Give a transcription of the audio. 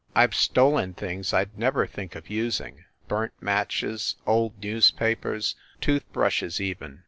I ve stolen things I d never think of using burnt matches, old newspapers, tooth brushes, even.